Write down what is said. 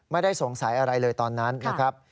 ไม่ได้สงสัยอะไรเลยตอนนั้นนะครับ